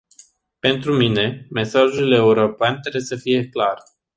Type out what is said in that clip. Pentru mine, mesajul european trebuie să fie clar.